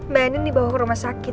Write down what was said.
mbak anin dibawa ke rumah sakit